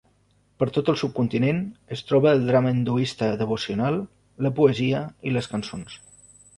Per tot el subcontinent es troben el drama hinduista devocional, la poesia i les cançons.